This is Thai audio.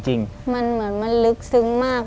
จริงมันเหมือนมันลึกซึ้งมาก